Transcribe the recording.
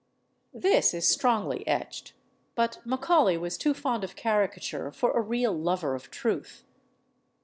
This is strongly etched, but Macaulay was too fond of caricature for a real lover of truth.